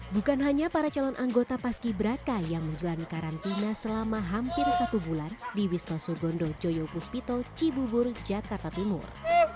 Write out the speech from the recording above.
bukan hanya para calon anggota paski braka yang menjalani karantina selama hampir satu bulan di wisma sugondo joyo puspito cibubur jakarta timur